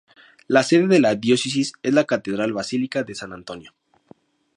La sede de la Diócesis es la Catedral Basílica de San Antonio.